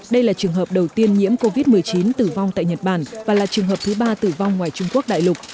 đây là trường hợp đầu tiên nhiễm covid một mươi chín tử vong tại nhật bản và là trường hợp thứ ba tử vong ngoài trung quốc đại lục